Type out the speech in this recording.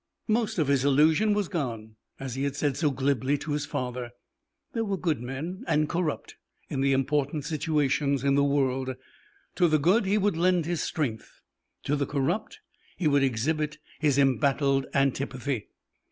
Most of his illusion was gone. As he had said so glibly to his father, there were good men and corrupt in the important situations in the world; to the good he would lend his strength, to the corrupt he would exhibit his embattled antipathy.